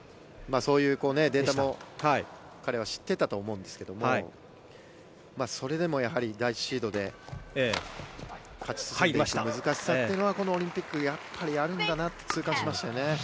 そういうデータも彼は知っていたと思うんですがそれでも、やはり第１シードで勝ち進む難しさというのはこのオリンピックやっぱりあるんだなと痛感しましたよね。